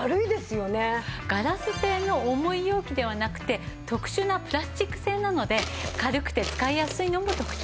ガラス製の重い容器ではなくて特殊なプラスチック製なので軽くて使いやすいのも特長です。